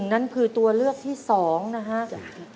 นั่นคือตัวเลือกที่๒นะครับ